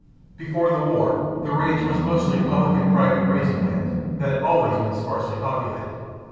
Before the war the range was mostly public and private grazing land that had always been sparsely populated.